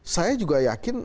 saya juga yakin